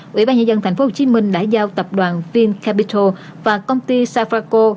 quỹ ban nhân dân tp hcm đã giao tập đoàn vinacapital và công ty safarco